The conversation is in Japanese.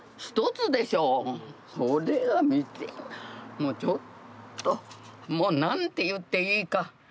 もうちょっともう何て言っていいか。